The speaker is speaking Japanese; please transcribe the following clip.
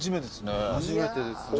初めてですね。